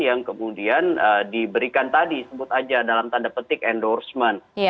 yang kemudian diberikan tadi sebut aja dalam tanda petik endorsement